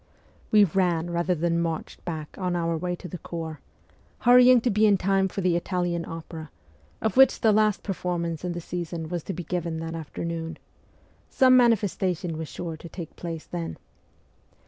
We ran rather than marched back on our way to the corps hurrying to be in time for the Italian opera, of which the last performance in the season was to be given that afternoon; some manifestation was sure to take place then.